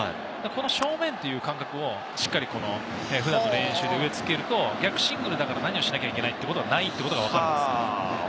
正面という感覚をしっかり普段の練習で植え付けると逆シングルだから何をしなきゃいけないということじゃないんです。